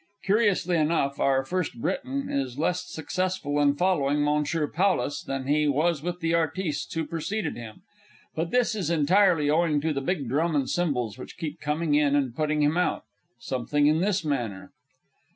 Curiously enough, our_ FIRST BRITON is less successful in following M. PAULUS _than he was with the Artistes who preceded him but this is entirely owing to the big drum and cymbals, which will keep coming in and putting him out something in this manner_: M.